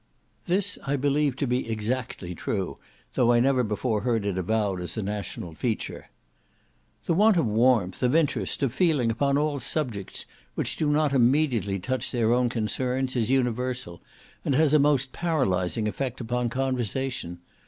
This I believe to be exactly true, though I never before heard it avowed as a national feature. The want of warmth, of interest, of feeling, upon all subjects which do not immediately touch their own concerns, is universal, and has a most paralysing effect upon conversation.